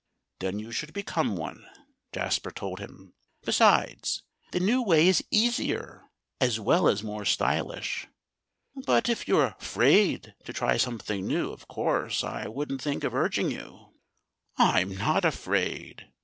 "Then you should become one," Jasper told him. "Besides, the new way is easier, as well as more stylish. But if you're afraid to try something new, of course I wouldn't think of urging you." "I'm not afraid!"